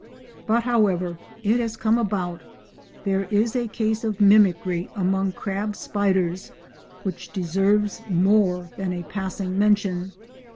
But however it has come about, there is a case of "mimicry" among crab spiders which deserves more than a passing mention.